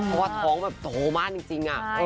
เพราะว่าท้องแบบโตมากจริง